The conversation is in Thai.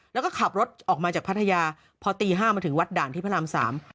แล้วก็ขับรถออกมาจากพัทยาพอตีห้ามาถึงวัดด่านที่พระรามสาม